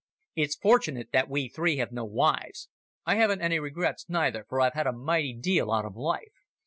It's fortunate that we three have no wives. I haven't any regrets, neither, for I've had a mighty deal out of life.